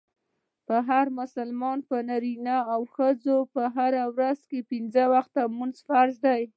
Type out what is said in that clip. پر هر مسلمان نارينه او ښځي په ورځ کي پنځه وخته لمونځ فرض دئ.